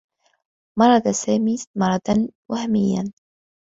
مرض سامي مرضا وهميّا.